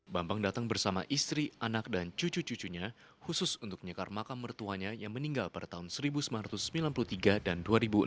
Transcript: bambang datang bersama istri anak dan cucu cucunya khusus untuk nyekar makam mertuanya yang meninggal pada tahun seribu sembilan ratus sembilan puluh tiga dan dua ribu enam